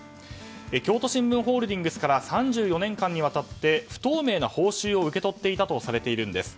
京都新聞ホールディングスから３４年間にわたって不透明な報酬を受け取っていたとされているんです。